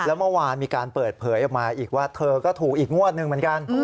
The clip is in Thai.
แล้วเมื่อวานมีการเปิดเผยออกมาอีกว่าเธอก็ถูกอีกงวดหนึ่งเหมือนกัน